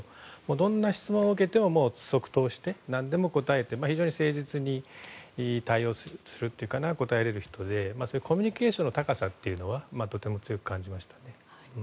どんな質問を受けても即答して何でも答えて非常に誠実に対応し答えられる方でコミュニケーションの高さというのはとても強く感じましたね。